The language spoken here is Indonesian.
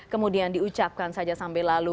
kemudian diucapkan saja sambil lalu